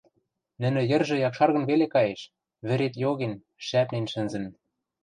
Нӹнӹ йӹржӹ якшаргын веле каеш, вӹрет йоген, шӓпнен шӹнзӹн.